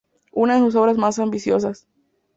Una de sus obras más ambiciosas.